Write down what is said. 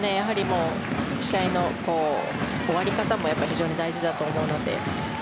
試合の終わり方も非常に大事だと思うので。